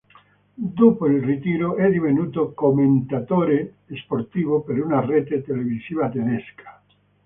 Dopo il ritiro è divenuto commentatore sportivo per una rete televisiva tedesca.